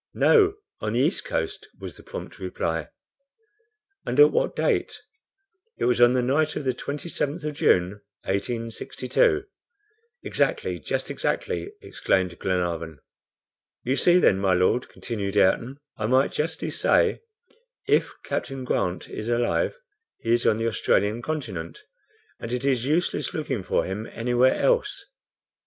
"No, on the east coast," was the prompt reply. "And at what date?" "It was on the night of the 27th of June, 1862." "Exactly, just exactly," exclaimed Glenarvan. "You see, then, my Lord," continued Ayrton, "I might justly say, If Captain Grant is alive, he is on the Australian continent, and it is useless looking for him anywhere else."